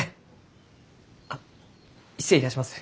あっ失礼いたします。